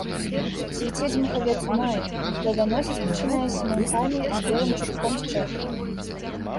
Цвіце дзьмухавец ў маі, плоданасіць пачынае сямянкамі з белым чубком з чэрвеня.